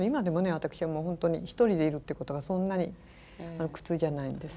私は本当に一人でいるってことがそんなに苦痛じゃないんです。